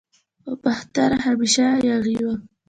خو باختر همیشه یاغي و